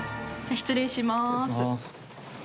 失礼します。